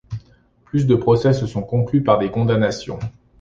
Plus de procès se sont conclus par des condamnations.